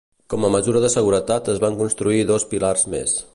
Com a mesura de seguretat es van construir dos pilars més.